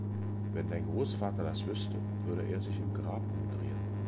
Wenn dein Großvater das wüsste, würde er sich im Grab umdrehen!